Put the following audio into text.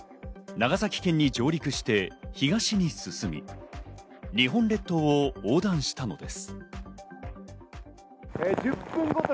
長崎県に上陸して東に進み、日本列島を横断したのです。